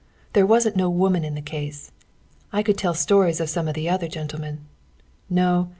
There wasn't no woman in the case. I could tell stories of some of the other gentlemen. No!